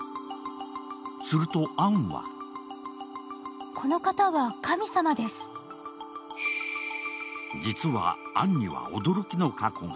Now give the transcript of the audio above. すると、杏は実は杏には驚きの過去が。